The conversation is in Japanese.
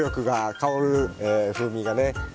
香る風味がね。